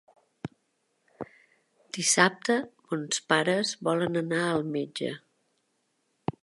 Dissabte mons pares volen anar al metge.